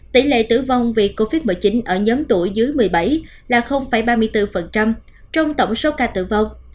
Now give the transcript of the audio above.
tỷ lệ tử vong vì covid một mươi chín ở nhóm tuổi dưới một mươi bảy là ba mươi bốn trong tổng số ca tử vong